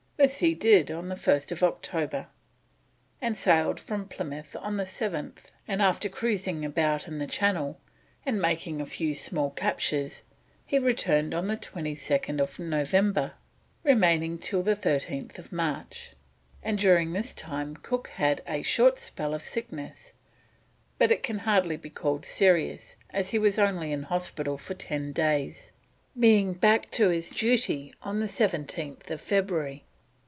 This he did on the 1st October, and sailed from Plymouth on the 7th, and after cruising about in the Channel and making a few small captures he returned on the 22nd November, remaining till the 13th March; and during this time Cook had a short spell of sickness, but it can hardly be called serious, as he was only in hospital for ten days, being back to his duty on the 17th February.